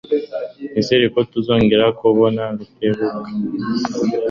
Nizere ko tuzongera kubona Rutebuka.